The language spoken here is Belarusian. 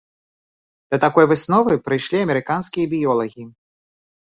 Да такой высновы прыйшлі амерыканскія біёлагі.